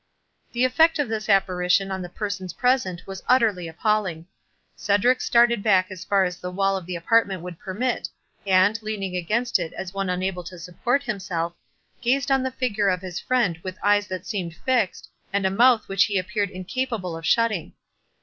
59 The effect of this apparition on the persons present was utterly appalling. Cedric started back as far as the wall of the apartment would permit, and, leaning against it as one unable to support himself, gazed on the figure of his friend with eyes that seemed fixed, and a mouth which he appeared incapable of shutting.